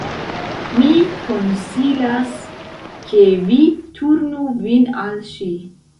Mi konsilas ke vi turnu vin al ŝi."